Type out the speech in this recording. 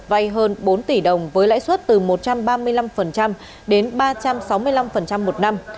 vay hơn bốn tỷ đồng với lãi suất từ một trăm ba mươi năm đến ba trăm sáu mươi năm một năm